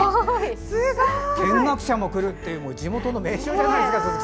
見学者も来るって地元の名所じゃないですか。